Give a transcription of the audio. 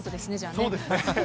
そうですね。